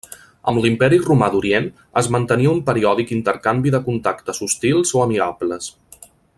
Amb l'Imperi Romà d'Orient es mantenia un periòdic intercanvi de contactes hostils o amigables.